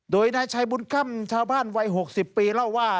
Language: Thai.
โดยนายชัยบุญค่ำชาวบ้านวัย๖๐ปีเล่าว่า